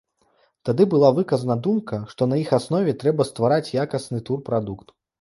Тады была выказана думка, што на іх аснове трэба ствараць якасны турпрадукт.